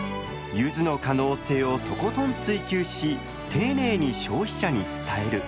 ゆずの可能性をとことん追求し丁寧に消費者に伝える。